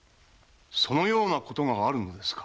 そのようなことがあるのですか？